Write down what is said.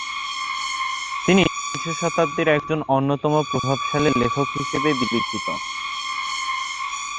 তিনি বিংশ শতাব্দীর একজন অন্যতম প্রভাবশালী লেখক হিশেবে বিবেচিত।